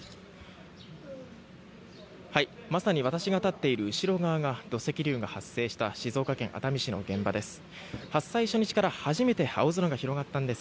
まさに私が立っている後ろ側が土石流が発生した静岡県熱海市の現場です。